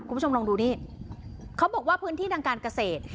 คุณผู้ชมลองดูนี่เขาบอกว่าพื้นที่ทางการเกษตร